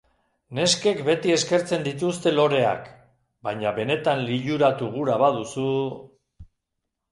Neskek beti eskertzen dituzte loreak, baina benetan liluratu gura baduzu...